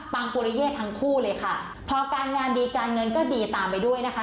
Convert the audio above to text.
ปุริเย่ทั้งคู่เลยค่ะพอการงานดีการเงินก็ดีตามไปด้วยนะคะ